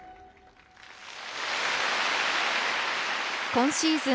今シーズン